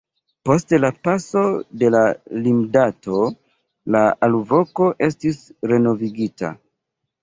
Post la paso de la limdato la alvoko estis renovigita.